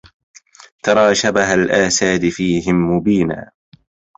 ترى شبه الآساد فيهم مبينا